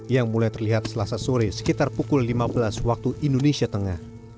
yang mulai terlihat selasa sore sekitar pukul lima belas waktu indonesia tengah